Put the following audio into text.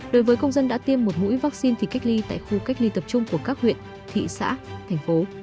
đối với công dân đã tiêm một mũi vaccine thì cách ly tại khu cách ly tập trung của các huyện thị xã thành phố